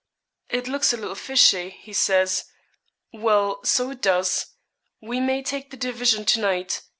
"It looks a little fishy," he says well, so it does "We may take the division to night.